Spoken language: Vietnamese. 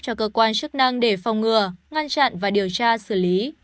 cho cơ quan chức năng để phòng ngừa ngăn chặn và điều tra xử lý